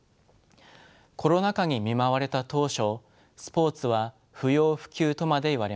コロナ禍に見舞われた当初スポーツは不要不急とまで言われました。